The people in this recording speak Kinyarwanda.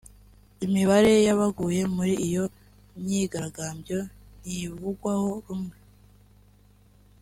Imibare y’abaguye muri iyo myigaragambyo ntivugwaho rumwe